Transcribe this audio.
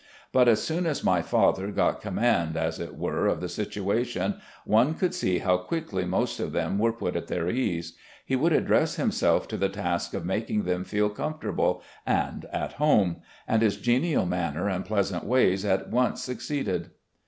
But as soon as my father got command, as it were, of the situation, one could see how quickly most of them were put at their ease. He would address himself to the task of making them feel comfortable and at home, and his genial maimer and pleasant ways at once succeeded.